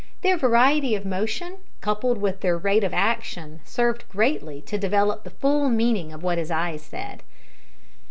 Their variety of motion, coupled with their rate of action, served greatly to develop the full meaning of what his eyes said.